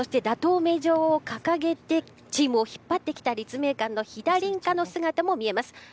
名城を掲げてチームを引っ張ってきた立命館の飛田凛香の姿も見えます。